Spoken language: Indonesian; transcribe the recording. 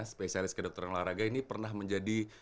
spesialis ke dokteran olahraga ini pernah menjadi